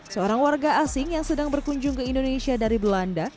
seorang warga asing yang sedang berkunjung ke indonesia dari belanda